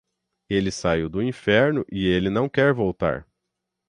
Ele saiu do inferno e ele não quer voltar.